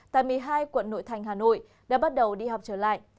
tại một mươi hai quận nội thành hà nội đã bắt đầu đi học trở lại